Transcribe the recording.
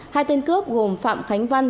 hai tên cướp gồm phạm khánh văn